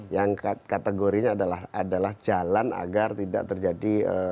yang kategorinya adalah jalan agar tidak terjadi